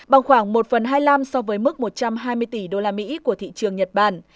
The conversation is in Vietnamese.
bằng khoảng một phần hai mươi năm so với mức một trăm hai mươi tỷ usd của thị trường nhật bản